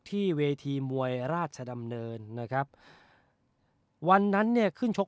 ที่เวทีมวยราชดำเนินนะครับวันนั้นเนี่ยขึ้นชก